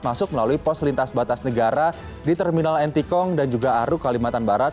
masuk melalui pos lintas batas negara di terminal ntkong dan juga aruk kalimantan barat